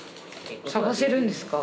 探せるんですか？